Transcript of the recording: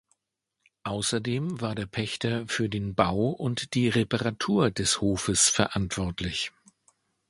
Außerdem war der Pächter für den Bau und die Reparatur des Hofes verantwortlich.